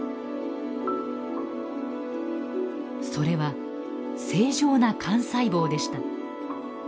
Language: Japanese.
それは正常な幹細胞でした。